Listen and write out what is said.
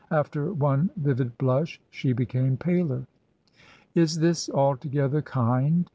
After one vivid blush she became paler. " Is this altogether kind